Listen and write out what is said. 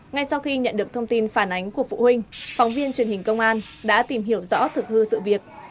ngay sau khi nhận được thông tin phản ánh của phụ huynh phóng viên truyền hình công an đã tìm hiểu rõ thực hư sự việc